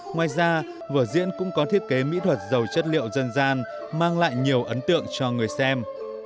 ngoài ra vở diễn cũng có thiết kế mỹ thuật giàu chất liệu dân gian mang lại nhiều ấn tượng cho người xem